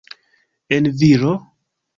En viro?